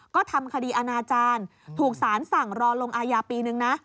ก็ทำคดีอาณาจารย์ถูกสารสั่งรอลงอายาปีนึงนะ